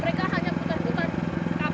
mereka hanya putar putar kapal